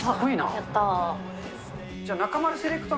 やったー。